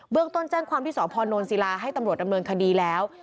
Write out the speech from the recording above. ต้นแจ้งความที่สพนศิลาให้ตำรวจดำเนินคดีแล้ว